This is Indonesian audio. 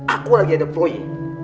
aku lagi ada proyek